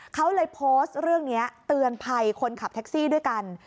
เขาเลยโพสต์เรื่องนี้เตือนภัยคนขับแท็กซี่ด้วยกัน